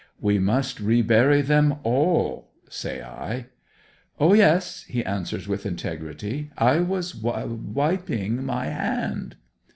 'We must re bury them all,' say I. 'O yes,' he answers with integrity. 'I was wiping my hand.'